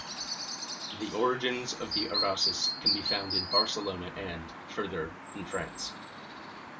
The origins of the Arraus can be found in Barcelona and, further, in France.